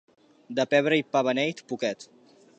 De pebre i pa beneit, poquet.